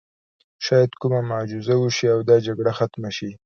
شاید کومه معجزه وشي او دا جګړه ختمه شي